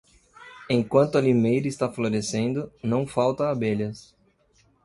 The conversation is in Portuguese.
Enquanto a limeira está florescendo, não falta abelhas.